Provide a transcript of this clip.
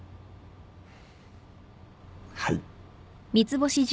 はい。